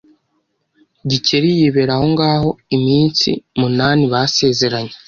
Gikeli yibera ahongaho iminsi munani basezeranye